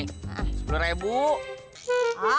hah lumayan pak